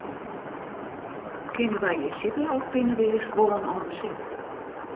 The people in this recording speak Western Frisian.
Kinne wy hjir sitte of binne dizze stuollen al beset?